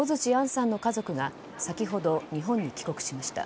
杏さんの家族が先ほど日本に帰国しました。